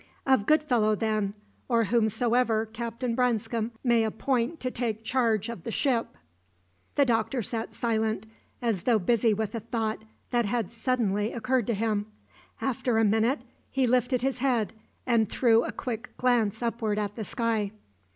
"Of Goodfellow, then, or whomsoever Captain Branscome may appoint to take charge of the ship." The Doctor sat silent, as though busy with a thought that had suddenly occurred to him. After a minute, he lifted his head and threw a quick glance upward at the sky.